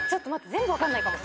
全部分かんないかも。